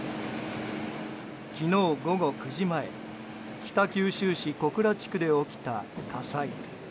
昨日午後９時前北九州市小倉地区で起きた火災。